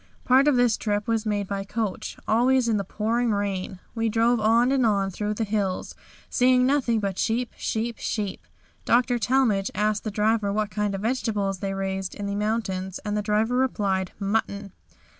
Part of this trip was made by coach, always in the pouring rain. We drove on and on through the hills, seeing nothing but sheep, sheep, sheep. Doctor Talmage asked the driver what kind of vegetables they raised in the mountains and the driver replied 'mutton.'